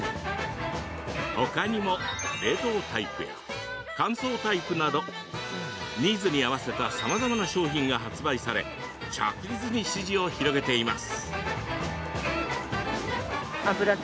ほかにも冷凍タイプや乾燥タイプなどニーズに合わせたさまざまな商品が発売され着実に支持を広げています。